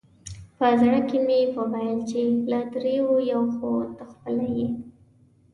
په زړه کې مې وویل چې له درېیو یو خو ته خپله یې.